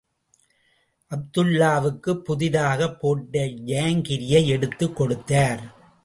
அப்துல்லாவுக்குப் புதிதாகப் போட்ட ஜாங்கிரியை எடுத்துக் கொடுத்தார்.